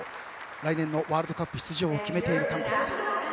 来年のワールドカップ出場を決めている韓国です。